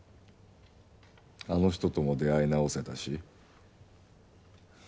あの人とも出会い直せたし。